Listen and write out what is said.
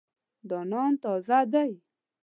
دا نان تازه دی.